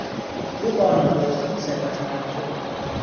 او با نادرستی ثروتمند شد.